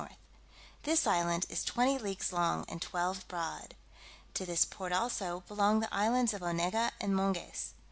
north. This island is twenty leagues long, and twelve broad. To this port also belong the islands of Onega and Monges.